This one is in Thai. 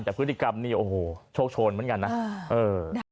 แต่พฤติกรรมนี่โอ้โหโชคโชนเหมือนกันนะ